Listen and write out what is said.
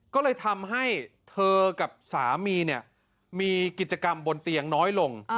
ก็เลยทำให้เธอกับสามีเนี่ยมีกิจกรรมบนเตียงน้อยลง